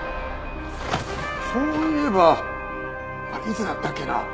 そういえばいつだったっけな？